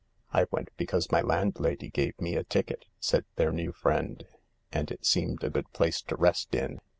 " I went because my landlady gave me a ticket," said their new friend, " and it seemed a good place to rest in.